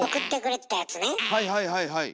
はいはいはいはい。